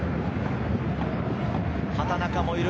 畠中もいる。